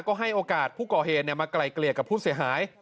ก็ให้โอกาสผู้ก่อเหตุมาไกลเกลี่ยกับผู้เสียหาย